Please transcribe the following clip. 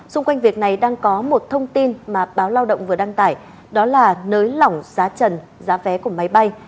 xung quanh việc này đang có một thông tin mà báo lao động vừa đăng tải đó là nới lỏng giá trần giá vé của máy bay